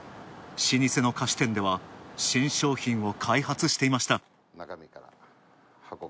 老舗の菓子店では新商品を開発していました。